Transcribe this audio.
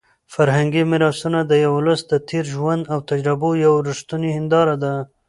فرهنګي میراثونه د یو ولس د تېر ژوند او تجربو یوه رښتونې هنداره ده.